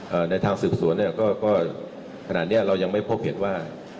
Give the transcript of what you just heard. ในทางสืบสวนเนี้ยก็ก็ขนาดเนี้ยเรายังไม่พบเห็นว่า